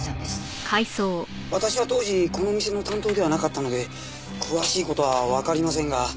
私は当時この店の担当ではなかったので詳しい事はわかりませんが。